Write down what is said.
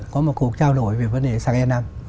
có một cuộc trao đổi về vấn đề sang e năm